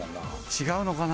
違うのかな？